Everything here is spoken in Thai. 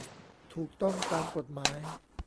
ถูกต้องตามกฎหมาย